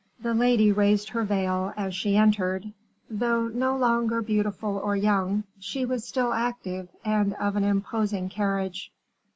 The lady raised her veil as she entered; though no longer beautiful or young, she was still active and of an imposing carriage.